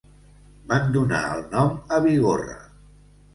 Van donar el nom a Bigorra.